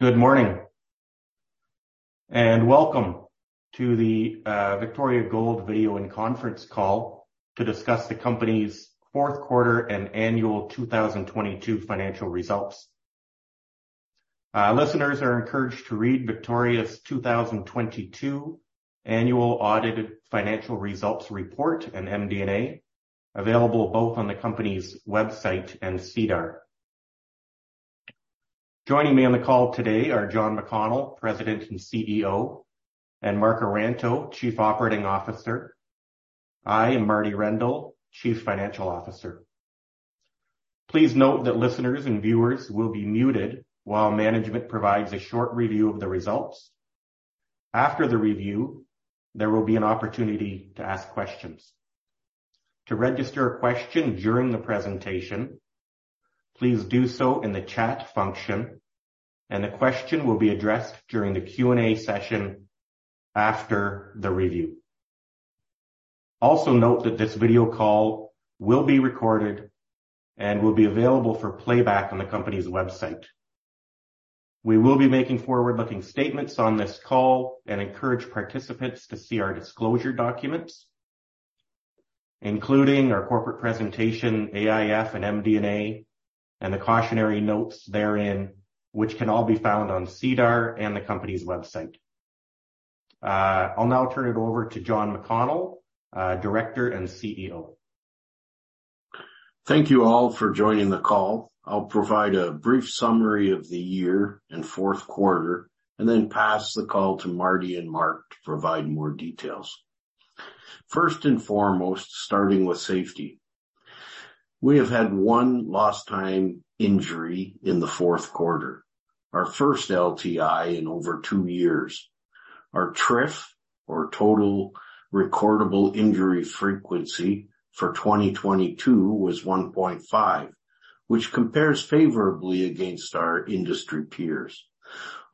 Good morning, and welcome to the Victoria Gold Video and Conference Call to discuss the company's Q4 and annual 2022 financial results. Listeners are encouraged to read Victoria's 2022 annual audited financial results report and MD and A available both on the company's website and SEDAR. Joining me on the call today are John McConnell, President and CEO and Mark O'Ranto, Chief Operating Officer. I am Martie Rendell, Chief Financial Officer. Please note that listeners and viewers will be muted while management provides a short review of the results. After the review, there will be an opportunity to ask questions. To register a question during the presentation, please do so in the chat function and the question will be addressed during the Q and A session after the review. Also note that this video call will be recorded and will be available for playback on the company's website. We will be making forward looking statements on this call and encourage participants see our disclosure documents, including our corporate presentation, AIF and MD and A and the cautionary notes therein, which can all be found on SEDAR and the company's website. I'll now turn it over to John McConnell, Director and CEO. Thank you all for joining the call. I'll provide a brief summary of the year and Q4 then pass the call to Marty and Mark to provide more details. 1st and foremost, starting with safety. We have had one lost time injury in the Q4, our first LTI in over 2 years. Our TRIF or total recordable injury frequency for 2022 was 1.5, which compares favorably against our industry peers.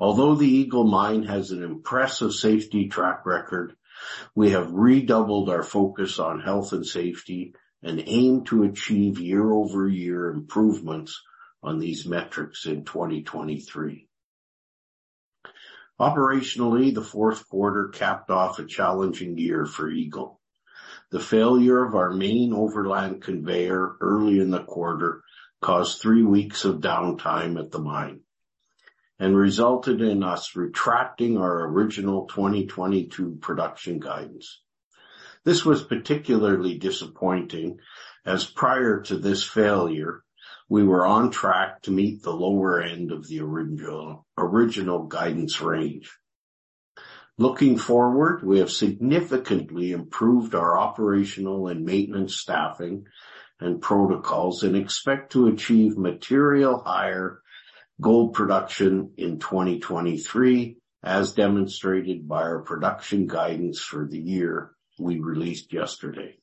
Although the Eagle Mine has an impressive safety track record, we have redoubled our focus on health and safety and aim to achieve year over year improvements on these metrics in 2023. Operationally, the Q4 capped off a challenging year for Eagle. The failure of our main overland conveyor early in the quarter caused 3 weeks of downtime at the mine and resulted in us retracting our original 2022 production guidance. This was particularly disappointing As prior to this failure, we were on track to meet the lower end of the original guidance range. Looking forward, we have significantly improved our operational and maintenance staffing and protocols and expect to achieve material higher gold production in 2023 as demonstrated by our production guidance for the year we released yesterday.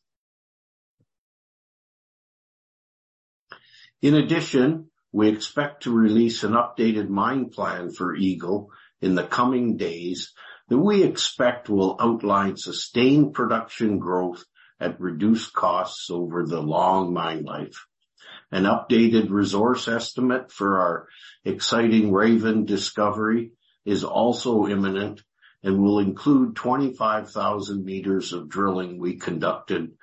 In addition, we expect to release an updated mine plan for Eagle in the coming days that we expect will outline sustained production growth at reduced costs over the long mine life, An updated resource estimate for our exciting Raven discovery is also imminent and will include 25,000 meters of drilling we conducted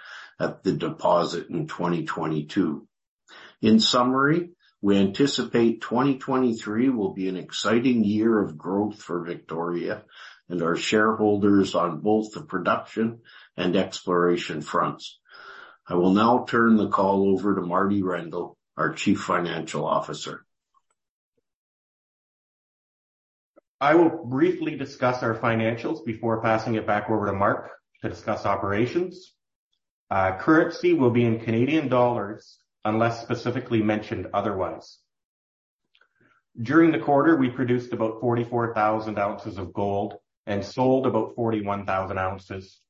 at the deposit in 2022. In summary, we anticipate 2023 will be an exciting year of growth for Victoria and our shareholders on both the production and exploration fronts. I will now turn the call over to Marty Rendle, our Chief Financial Officer. I will briefly discuss our financials before passing it back over to Mark to discuss operations. Currency will be in Canadian dollars unless specifically mentioned otherwise. During the quarter, we produced about 44,000 of gold and sold about 41,000 ounces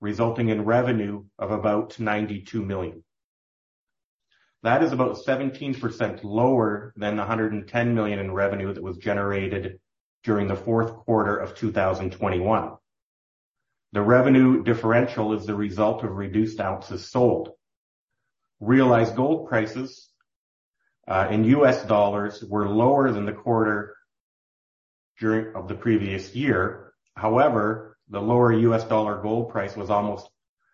resulting in revenue of about 92,000,000 that is about 17% lower than the $110,000,000 in revenue that was generated during the Q4 of 2021. The revenue differential is the result of reduced ounces sold. Realized gold prices in U. S. Dollars were lower than the quarter during of the previous year. However, the lower U. S. Dollar gold price was almost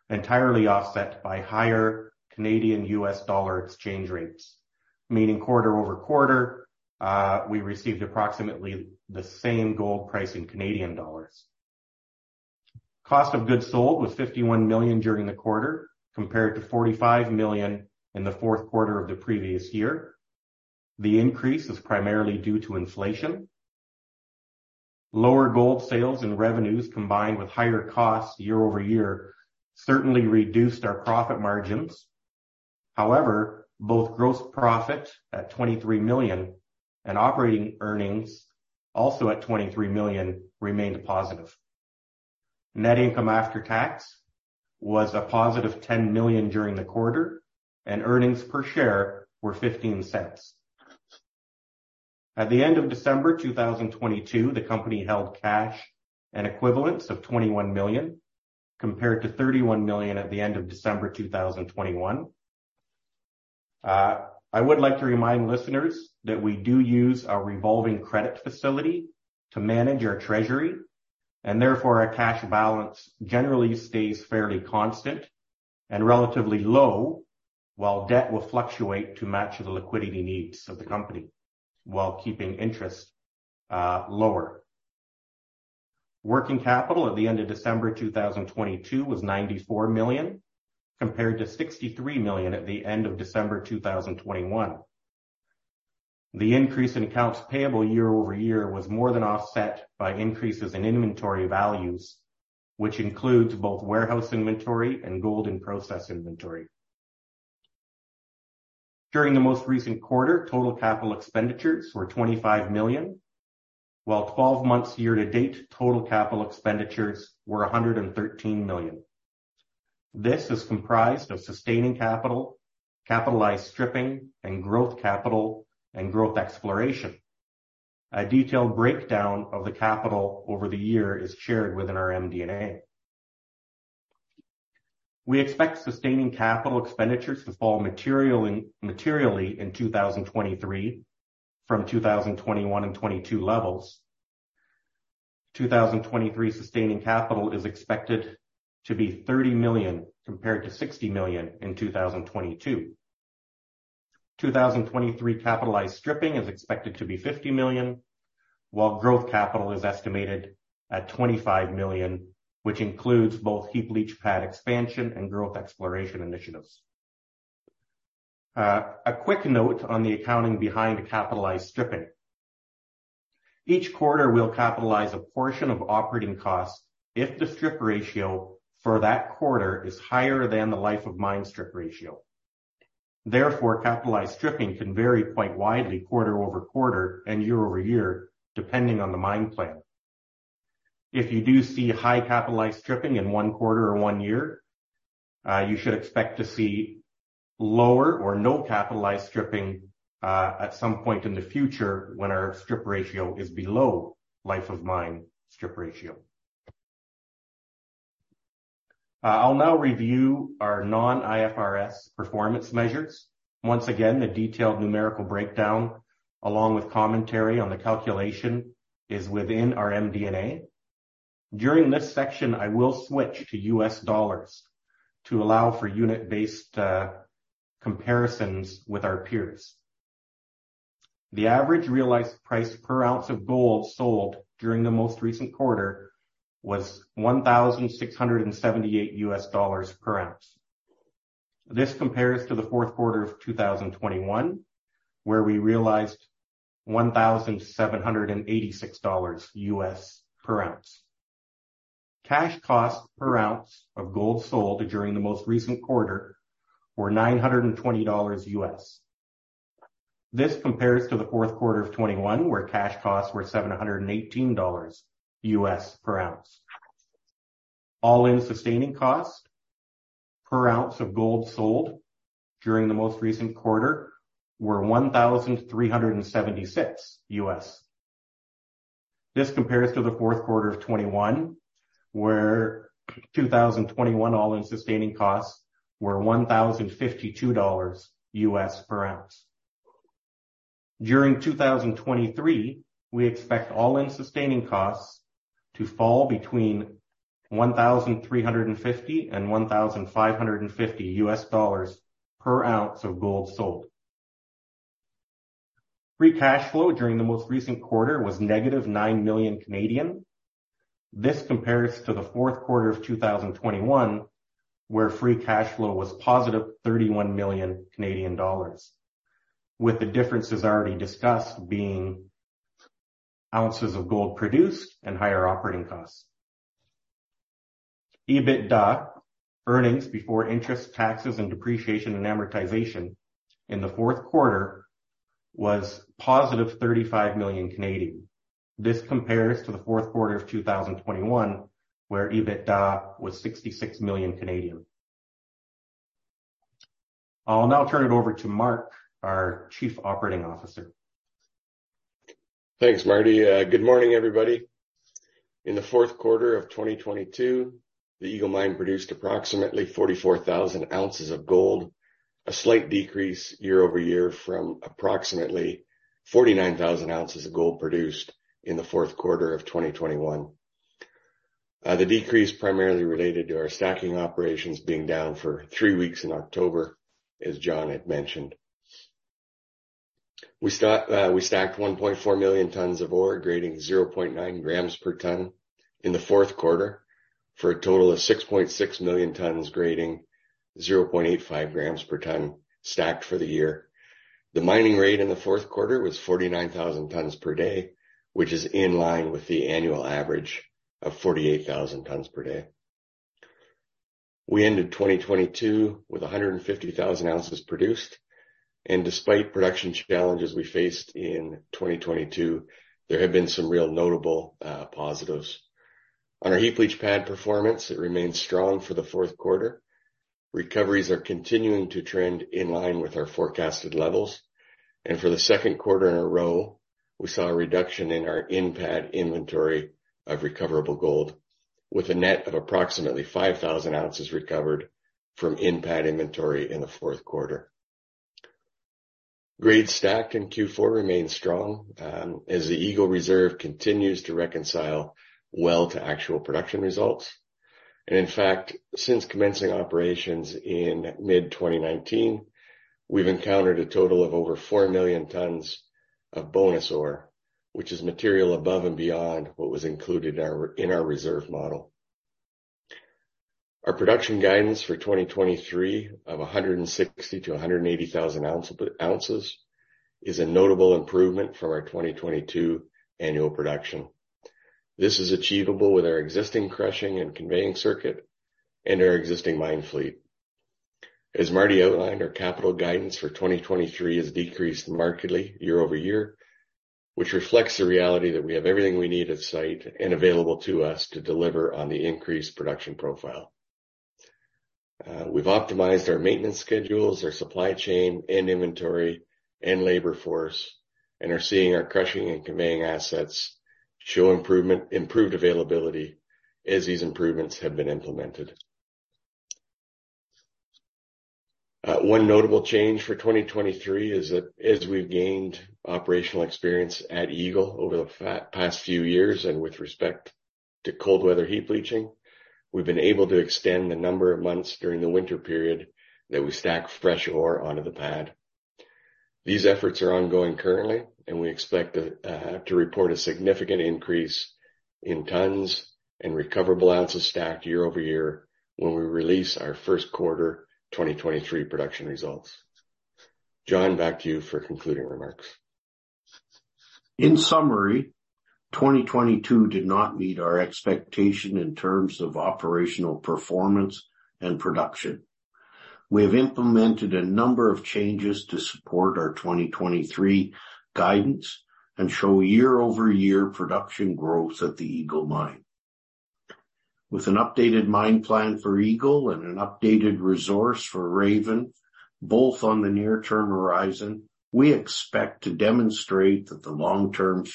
entirely offset by higher Canadian U. S. Dollar exchange rates. Meaning quarter over quarter, we received approximately the same gold price in Canadian dollars. Cost of goods sold was $51,000,000 during the quarter compared to $45,000,000 in the Q4 of the previous year. The increase is primarily due to inflation. Lower gold sales and revenues combined with higher costs year over year certainly reduced our profit margins. However, both gross profit at CAD23 1,000,000 and operating earnings also at CAD23 1,000,000 remained positive. Net income after tax was a positive CAD10 1,000,000 during the quarter and earnings per share were 0.15 At the end of December 2022, the company held cash and equivalents of 21,000,000 compared to 31,000,000 at the end of December 2021. I would like to remind listeners that we do use our revolving credit facility to manage our treasury and therefore our cash balance generally stays fairly constant and relatively low while debt will fluctuate to match the liquidity needs of the company while keeping interest lower. Working capital at the end of December 2022 was 94,000,000 compared to 63,000,000 at the end of December 2021. The increase in accounts payable year over year was more than offset by increases in inventory values, which includes both warehouse inventory and gold in process inventory. During the most recent quarter, total capital expenditures were $25,000,000 while 12 months year to date total capital expenditures were $113,000,000 This is comprised of sustaining capital, capitalized stripping and growth capital and growth exploration. A detailed breakdown of the capital over the year is shared within our MD and A. We expect sustaining capital expenditures to fall materially in 2023 from 2021 2022 levels. 2023 sustaining capital is expected to be CAD30 1,000,000 compared to CAD60 1,000,000 in 2022. 2023 capitalized stripping is expected to be $50,000,000 while growth capital is estimated at $25,000,000 which includes both heap leach pad expansion and growth exploration initiatives. A quick note on the accounting behind the capitalized stripping. Each quarter, we'll capitalize a portion of operating costs if the strip ratio for that quarter is higher than the life of mine strip ratio. Therefore, capitalized dripping can vary quite widely quarter over quarter and year over year depending on the mine plan. If you do see high capitalized stripping in 1 quarter or one here, you should expect to see lower or no capitalized stripping at some point in the future when our strip ratio is below Life of Mine Strip Ratio. I'll now review our non IFRS performance measures. Once again, the detailed numerical breakdown along with commentary on the calculation is within our MD and A. During this section, I will switch to U. S. Dollars to allow for unit based comparisons with our peers. The average realized price per ounce of gold sold during the most recent quarter was US178 dollars per ounce. This compares to the Q4 of 2021 where we realized US1786 dollars per ounce. Cash cost per ounce of gold sold during the most recent quarter were US9.20 dollars This compares to the Q4 of 2021 where cash costs were US718 dollars per ounce. All in sustaining cost per ounce of gold sold during the most recent quarter were US1376 dollars This compares to the Q4 of 2021 where 2021 all in sustaining costs were US10.52 dollars per ounce. During 2023, we expect all in sustaining costs to fall between US1350 dollars and US1550 dollars per ounce of gold sold. Free cash flow during the most recent quarter was negative CAD9 1,000,000. This compares to the Q4 of 2021 where free cash flow was positive C31 $1,000,000 with the differences already discussed being ounces of gold produced and higher operating costs. EBITDA, earnings before interest, taxes and depreciation and amortization in the Q4 was positive CAD35 1,000,000. This compares to the Q4 of 2021 where EBITDA was 66 million. I'll now turn it over to Mark, our Chief Operating Officer. Thanks, Marty. Good morning, everybody. In the Q4 of 2022, the Eagle Mine produced Approximately 44,000 ounces of gold, a slight decrease year over year from approximately 49,000 ounces of gold produced in the Q4 of 2021. The decrease primarily related to our stacking operations being down for 3 weeks in October, as John had mentioned. We stacked 1,400,000 tonnes of ore grading 0.9 grams per tonne in the Q4 for a total of 6,600,000 tonnes grading 0.85 grams per tonne stacked for the year. The mining rate in the Q4 was 49,000 tonnes per day, which is in line with the annual average of 48,000 tonnes per day. We ended 2022 with 150,000 ounces produced. And despite production challenges we faced in 2022, there have been some real notable positives. On our heap leach pad performance, it remains strong for the Q4. Recoveries are continuing to trend in line with our forecasted levels. And for the Q2 in a row, we saw a reduction in our in pad inventory of recoverable gold with a net of approximately 5,000 ounces recovered from in pad inventory in the 4th quarter. Great stack in Q4 remains strong as the Eagle Reserve continues to reconcile well to actual production results. And in fact, since commencing operations in mid-twenty 19, we've encountered a total of over 4,000,000 tonnes of Bona's ore, which is material above and beyond what was included in our reserve model. Our production guidance for 2023 of 160,000 to 180,000 ounces is a notable improvement from our 2022 annual production. This is achievable with our existing crushing and conveying circuit and our existing mine fleet. As Marty outlined, our capital guidance for 2023 has decreased markedly year over year, which reflects the reality that we have everything we need at site and available to us to deliver on the increased production profile. We've optimized our maintenance schedules, our supply chain and inventory and labor force and are seeing our crushing and conveying assets show improvement improved availability as these improvements have been implemented. One notable change for 2023 is that as we've gained operational experience at Eagle over the past few years and with respect to cold weather heap leaching, we've been able to extend the number of months during the winter period that we stack fresh ore onto the pad. These efforts are ongoing currently, and we expect to report a significant increase in tonnes and recoverable ounces stacked year over year when we release our Q1 2023 production results. John, back to you for concluding remarks. In summary, 2022 did not meet our expectation in terms of operational performance and production. We have implemented a number of changes to support our 2023 guidance and show year over year production growth at the Eagle Mine. With an updated mine plan for Eagle and an updated resource for Raven, both on the near term horizon, we Expect to demonstrate that the long term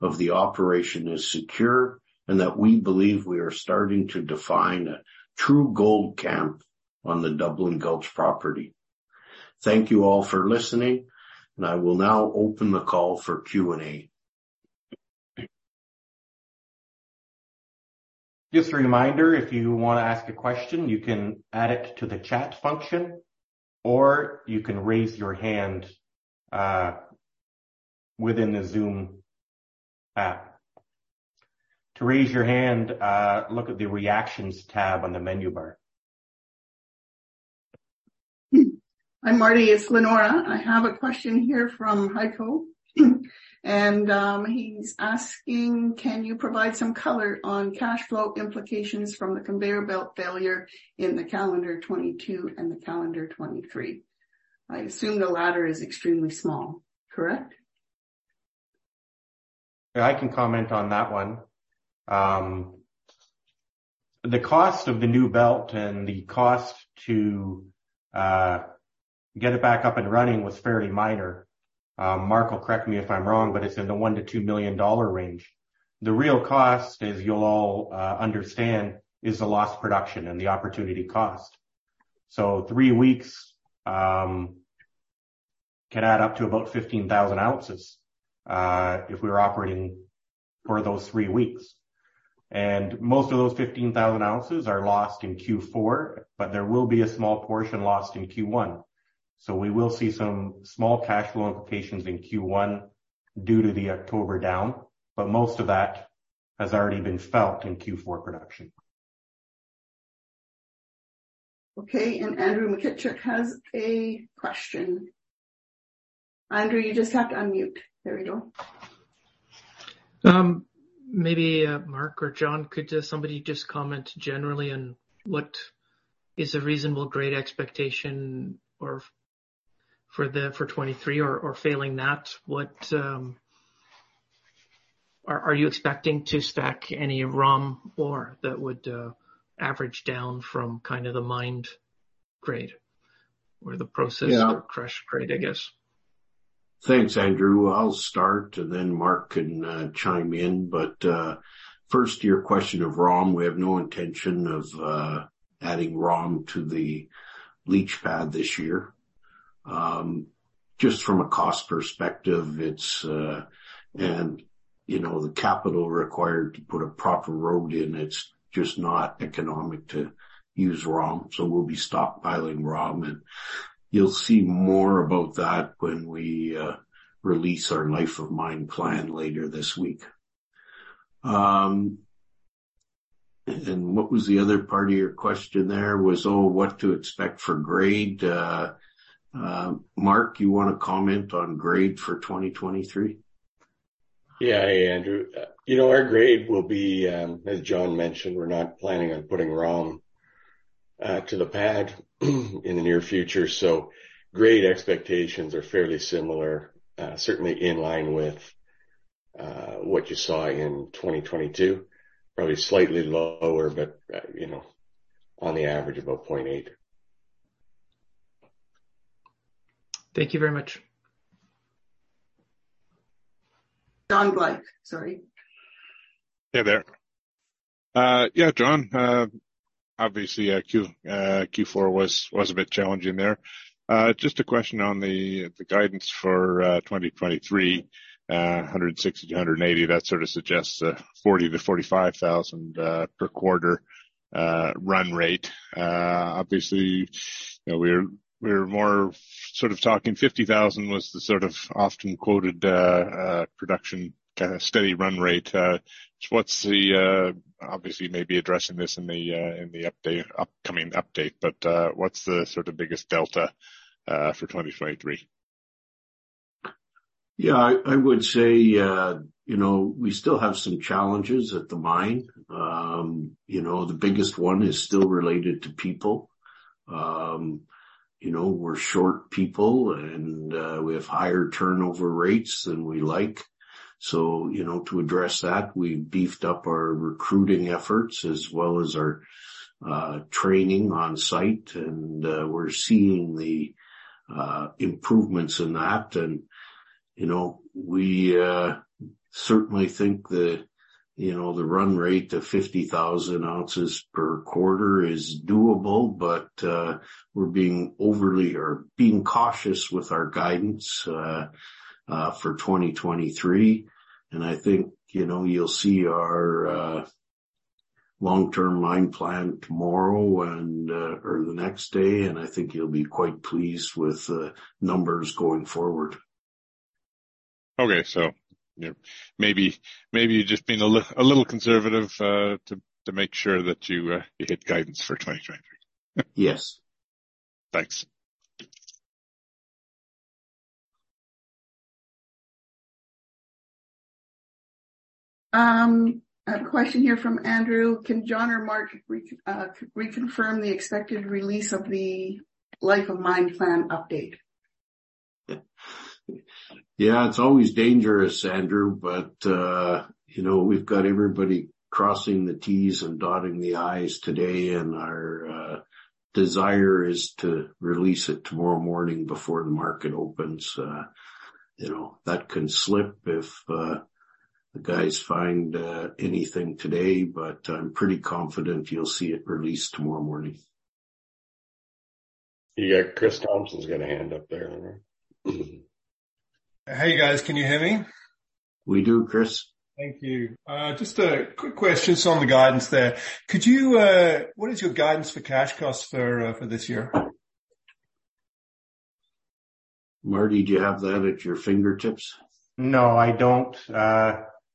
future of the operation is secure and that we believe we are starting to define a True Gold Camp on the Dublin Gulch property. Thank you all for listening. And I will now open the call for Q and A. Just a reminder, if you want to ask a question, you can add it to the chat function or you can raise your hand within the Zoom app. To raise your hand, look at the reactions tab on the menu bar. Hi, Marty. It's Leonora. I have a question here from Heiko. And he's Ying, can you provide some color on cash flow implications from the conveyor belt failure in the calendar 2022 and the calendar 2023? I assume the latter is extremely small, correct? I can comment on that one. The cost of the new belt and the cost to get it back up and running was fairly minor. Mark will correct me if I'm wrong, but it's in the $1,000,000 to $2,000,000 range. The real cost is you'll all understand is the lost production and the opportunity cost. So 3 weeks can add up to about 15,000 ounces if we were operating for those 3 weeks. And most of those 15,000 ounces are lost in Q4, but there will be a small portion lost in Q1. So we will see some small cash flow implications in Q1 due to the October down, but most of that has already been felt in Q4 production. Okay. And Andrew Mukitsuk has a question. Andrew, you just have to unmute. There we go. Maybe Mark or John, could somebody just comment generally on what Is a reasonable grade expectation for 2023 or failing that? What Are you expecting to stack any rum ore that would average down from kind of the mined Great. We're in the process of crash grade, I guess. Thanks, Andrew. I'll start and then Mark can chime in. But First to your question of ROM, we have no intention of adding ROM to the leach pad this year. Just from a cost perspective, it's and the capital required to put a proper road in, it's just It's not economic to use ROM. So we'll be stockpiling ROM. And you'll see more about that when we Release our life of mine plan later this week. And what was the other part of your question there was, what expect for grade, Mark, you want to comment on grade for 2023? Yes. Hey, Andrew. Our grade will be, as John mentioned, we're not planning on putting ROM to the pad in the near future. So great expectations are fairly similar, certainly in line with what you saw in 2022, probably slightly lower, but on the average about 0.8. Thank you very much. John Blank, sorry. Yes, there. Yes, John. Obviously, Q4 was a bit challenging there. Just a question on the guidance for 2023, dollars 160,000 to $180,000 that sort of suggests $40,000 to $45,000 per quarter run rate. Obviously, we're more sort of talking 50,000 was the sort of often quoted production Kind of steady run rate. So what's the obviously, you may be addressing this in the upcoming update, but what's the sort of biggest delta for 20 53. Yes. I would say we still have some challenges at the mine. The biggest one is still related to people. We're short people and We have higher turnover rates than we like. So to address that, we beefed up our recruiting efforts as well as our training on-site, and we're seeing the improvements in that. And We certainly think that the run rate of 50,000 ounces per quarter is doable, but We're being overly or being cautious with our guidance for 2023. And I think you'll see our long term mine plan tomorrow and or the next day. And I think you'll be quite pleased with numbers going forward. Okay. So maybe you're just being a little conservative To make sure that you hit guidance for 2023? Yes. Thanks. A question here from Andrew. Can John or Mark Reconfirm the expected release of the life of mine plan update. Yes. It's always dangerous, Andrew. But we've got everybody crossing the T's and dotting the I's today. And our Desire is to release it tomorrow morning before the market opens. That can slip if The guys find anything today, but I'm pretty confident you'll see it released tomorrow morning. Yes. Chris Thompson is going to hand up there. Hey, guys. Can you hear me? We do, Chris. Thank you. Just a quick question just on the guidance there. Could you what is your guidance for cash costs for this year? Marty, do you have that at your fingertips? No, I don't.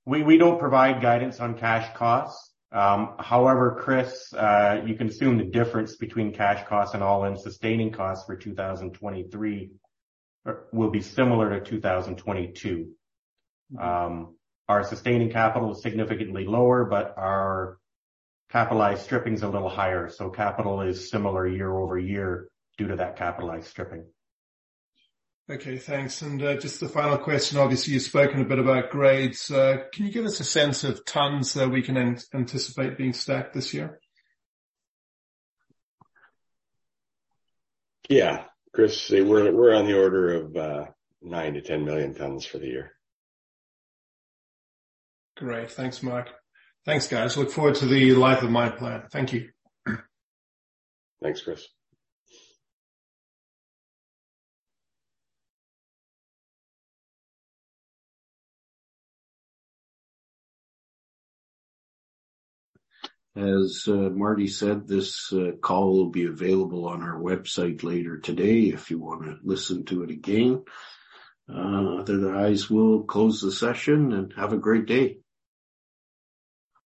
We don't provide guidance on cash costs. However, Chris, you can assume the difference between cash costs and all in sustaining costs for 2023 will be similar to 2022. Our sustaining capital is significantly lower, but our capitalized stripping is a little higher. So capital is similar year over year due to that capitalized stripping. Okay. And just a final question. Obviously, you've spoken a bit about grades. Can you give us a sense of tonnes that we can anticipate being stacked this year? Yes, Chris. We're on the order of 9,000,000 to 10,000,000 tonnes for the year. Great. Thanks, Mark. Thanks, guys. Look forward to the life of mine plan. Thank you. Thanks, Chris. As Marty said, this The call will be available on our website later today if you want to listen to it again.